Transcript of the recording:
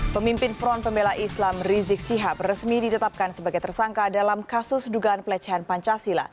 pemimpin front pembela islam rizik sihab resmi ditetapkan sebagai tersangka dalam kasus dugaan pelecehan pancasila